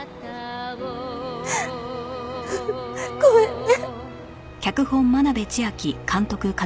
ごめんね。